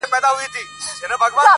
نه یې مینه سوای له زړه څخه شړلای-